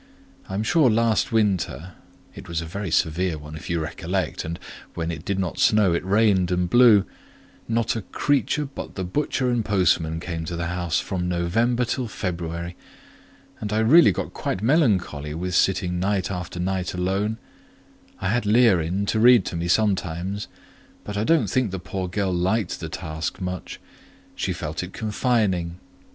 I'm sure last winter (it was a very severe one, if you recollect, and when it did not snow, it rained and blew), not a creature but the butcher and postman came to the house, from November till February; and I really got quite melancholy with sitting night after night alone; I had Leah in to read to me sometimes; but I don't think the poor girl liked the task much: she felt it confining.